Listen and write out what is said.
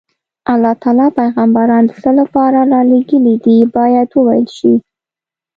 الله تعالی پیغمبران د څه لپاره رالېږلي دي باید وویل شي.